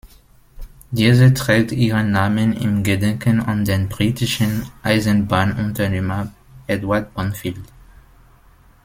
Diese trägt ihren Namen im Gedenken an den britischen Eisenbahnunternehmer Edward Banfield.